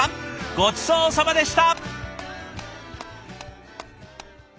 ごちそうさまでした！